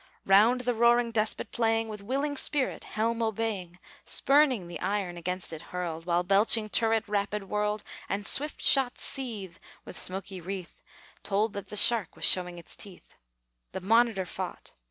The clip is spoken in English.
Round the roaring despot playing, With willing spirit, helm obeying, Spurning the iron against it hurled, While belching turret rapid whirled, And swift shot's seethe, with smoky wreath, Told that the shark was showing his teeth The Monitor fought.